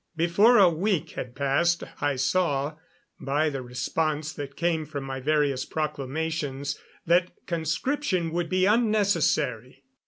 Before a week had passed I saw, by the response that came from my various proclamations, that conscription would be unnecessary.